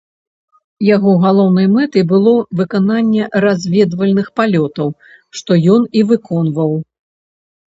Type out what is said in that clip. Яго галоўнай мэтай было выкананне разведвальных палётаў, што ён і выконваў.